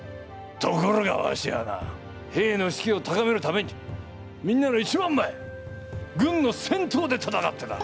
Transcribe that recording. ところがわしはな兵の士気を高めるためにみんなの一番前軍の先頭で戦ってた。